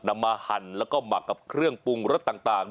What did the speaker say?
นำมาหั่นแล้วก็หมักกับเครื่องปรุงรสต่าง